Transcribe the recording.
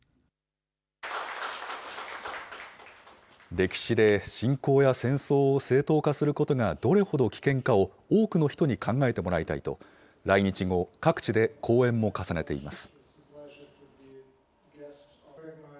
歴史で侵攻や戦争を正当化することがどれほど危険かを多くの人に考えてもらいたいと、来日後、各地で講演も重ねています。